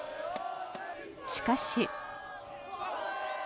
しかし。